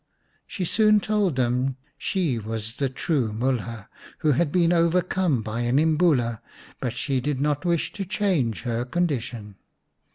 She soon told them she was the true Mulha, who had been overcome by an Imbula, but she did not wish to change her condition.